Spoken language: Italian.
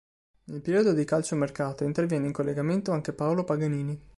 Nel periodo di calciomercato, interviene in collegamento anche Paolo Paganini.